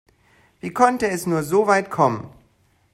Wie konnte es nur so weit kommen?